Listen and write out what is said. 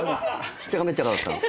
しっちゃかめっちゃかだったの。